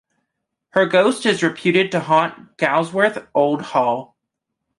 Her ghost is reputed to haunt Gawsworth Old Hall.